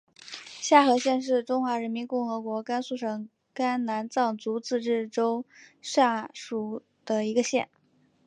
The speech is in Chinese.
夏河县是中华人民共和国甘肃省甘南藏族自治州下属的一个县。